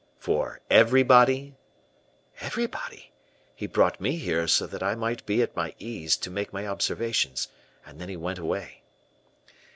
"For everybody?" "Everybody. He brought me here so that I might be at my ease to make my observations, and then he went away."